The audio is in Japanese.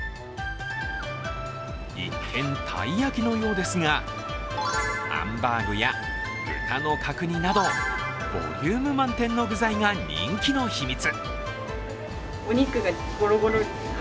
一見、たい焼きのようですが、ハンバーグや豚の角煮などボリューム満点の具材が人気の秘密。